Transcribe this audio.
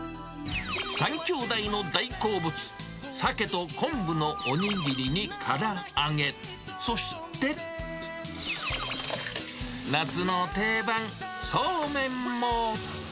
３兄弟の大好物、サケと昆布のお握りにから揚げ、そして、夏の定番、そうめんも。